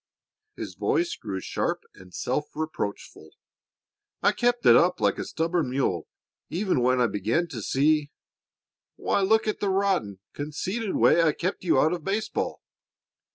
His voice grew sharp and self reproachful. "I kept it up like a stubborn mule even when I began to see Why, look at the rotten, conceited way I kept you out of baseball.